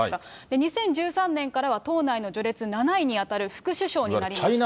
２０１３年からは党内の序列７位に当たる副首相になりました。